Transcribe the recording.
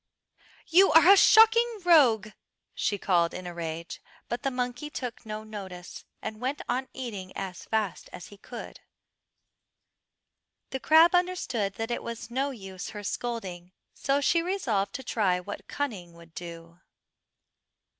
"You are a shocking rogue," she called in a rage; but the monkey took no notice, and went on eating as fast as he could. The crab understood that it was no use her scolding, so she resolved to try what cunning would do.